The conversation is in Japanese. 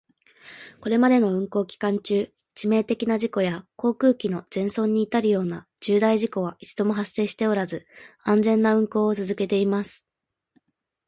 これまでの運航期間中、致命的な事故や航空機の全損に至るような重大事故は一度も発生しておらず、安全な運航を続けています。